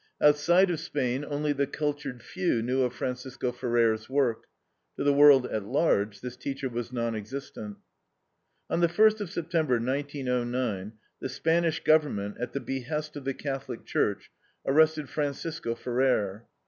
Outside of Spain only the cultured few knew of Francisco Ferrer's work. To the world at large this teacher was non existent. On the first of September, 1909, the Spanish government at the behest of the Catholic Church arrested Francisco Ferrer.